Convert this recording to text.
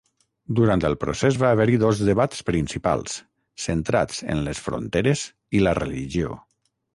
Durant el procés va haver-hi dos debats principals, centrats en les fronteres i la religió.